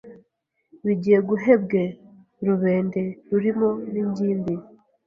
bigiye guhebwe rubende rurimo n’ingimbi